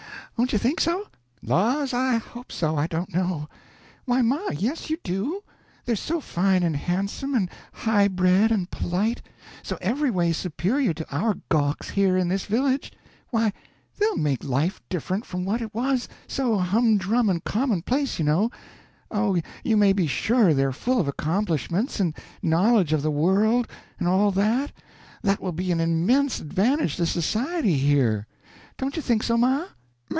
Don't you think so?" "Laws, I hope so, I don't know." "Why, ma, yes you do. They're so fine and handsome, and high bred and polite, so every way superior to our gawks here in this village; why, they'll make life different from what it was so humdrum and commonplace, you know oh, you may be sure they're full of accomplishments, and knowledge of the world, and all that, that will be an immense advantage to society here. Don't you think so, ma?"